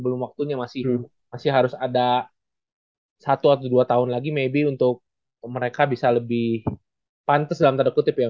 belum waktunya masih harus ada satu atau dua tahun lagi maybe untuk mereka bisa lebih pantes dalam tanda kutip ya